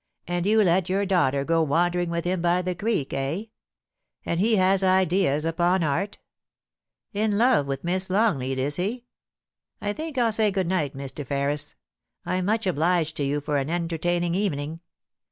* And you let your daughter go wandering with him by the creek, eh ? And he has ideas upon art ! In love with Miss Longleat, is he? I think I'll say good night, Mr. Ferris. I'm much obliged to you for an entertaining evening.